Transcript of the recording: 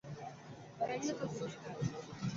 আমার সংস্থার সাথে কাজ করে, আমেরিকান সরকার।